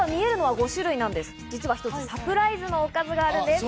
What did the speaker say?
一つサプライズのおかずがあるんです。